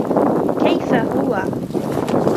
كيف هو ؟